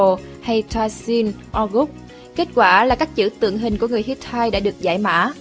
nero hay tassin orguk kết quả là các chữ tượng hình của người hittite đã được giải mã